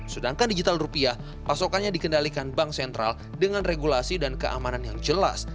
sedangkan digital rupiah pasokannya dikendalikan bank sentral dengan regulasi dan keamanan yang jelas